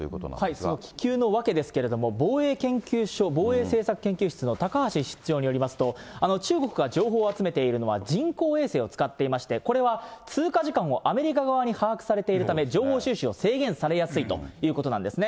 その気球の訳ですけれども、防衛研究所防衛政策研究室の高橋室長によりますと、中国が情報を集めているのは人工衛星を使っていまして、これは通過時間をアメリカ側に把握されているため、情報収集を制限されやすいということなんですね。